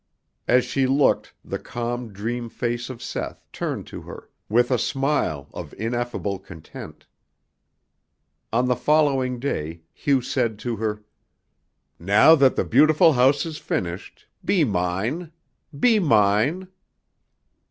As she looked the calm dream face of Seth turned to her with a smile of ineffable content. On the following day Hugh said to her: "Now that the beautiful house is finished, be mine. Be mine!"